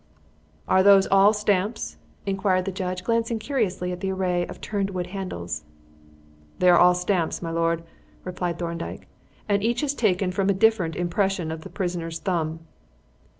"Are those all stamps?" inquired the judge, glancing curiously at the array of turned wood handles. "They are all stamps, my lord," replied Thorndyke, "and each is taken from a different impression of the prisoner's thumb."